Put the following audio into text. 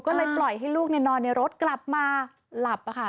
ก็เลยปล่อยให้ลูกนอนในรถกลับมาหลับค่ะ